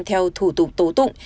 theo thủ tục tố tụng